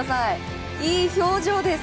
いい表情です！